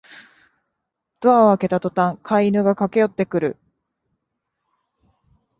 ドアを開けたとたん飼い犬が駆けよってくる